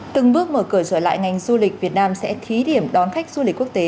từng bước mở cửa trở lại ngành du lịch việt nam sẽ thí điểm đón khách du lịch quốc tế